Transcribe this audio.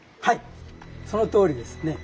はいそのとおりですね。